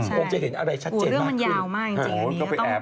คงจะเห็นอะไรชัดเจนมาก